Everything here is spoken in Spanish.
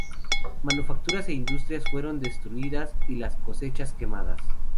Manufacturas e industrias fueron destruidas y las cosechas, quemadas.